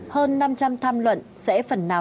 hơn năm trăm linh tham luận sẽ phần nào